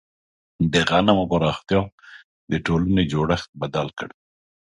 د غنمو پراختیا د ټولنې جوړښت بدل کړ.